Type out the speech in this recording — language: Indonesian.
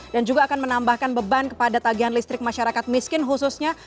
dan juga akan menambahkan beban kepada tagihan listrik masyarakat miskin khususnya